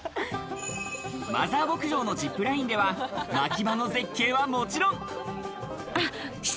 マザー牧場のジップラインでは、まきばの絶景はもちろん。